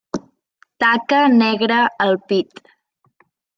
Taca negra al pit.